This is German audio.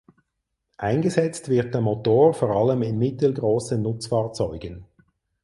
Eingesetzt wird der Motor vor allem in mittelgroßen Nutzfahrzeugen.